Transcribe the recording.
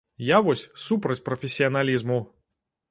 Я вось супраць прафесіяналізму!